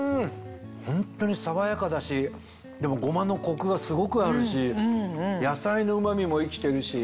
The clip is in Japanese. ホントに爽やかだしでもゴマのコクがすごくあるし野菜のうま味も生きてるし。